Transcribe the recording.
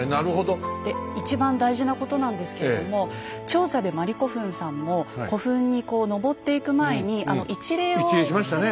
で一番大事なことなんですけれども調査でまりこふんさんも古墳にこう登っていく前に一礼をされてましたよね。